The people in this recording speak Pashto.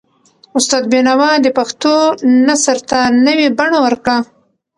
استاد بینوا د پښتو نثر ته نوي بڼه ورکړه.